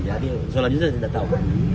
jadi selanjutnya tidak tahu